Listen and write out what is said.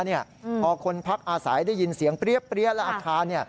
พอคนพักอาศัยได้ยินเสียงเปรี้ยและอาคาร